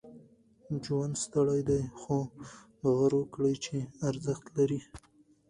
ژوند ستړی دی، خو؛ باور وکړئ چې ارزښت لري.